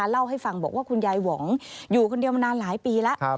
เล่าให้ฟังบอกว่าคุณยายหวองอยู่คนเดียวมานานหลายปีแล้ว